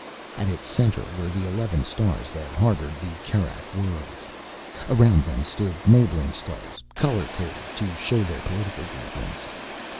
As its center were the eleven stars that harbored the Kerak Worlds. Around them stood neighboring stars, color coded to show their political groupings.